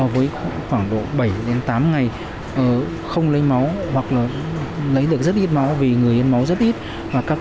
với khoảng độ bảy đến tám ngày không lấy máu hoặc lấy được rất ít máu vì người yên máu rất ít và các